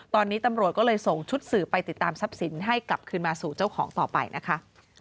ตอนนี้ตำรวจก็เลยส่งชุดสื่อไปติดตามทรัพย์สินให้กลับคืนมาสู่เจ้าของต่อไปนะคะ